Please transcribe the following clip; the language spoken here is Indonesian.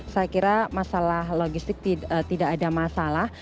saya kira masalah logistik tidak ada masalah